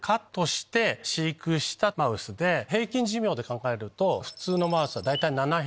平均寿命で考えると普通のマウスは。